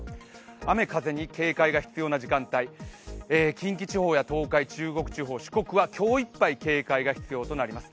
雨・風に警戒が必要な時間帯、近畿地方や東海、中国地方、四国は今日いっぱい警戒が必要となります。